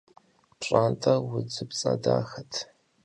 ПщӀантӀэр удзыпцӀэ дахэт.